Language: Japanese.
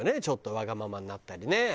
ちょっとわがままになったりね。